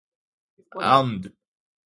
amd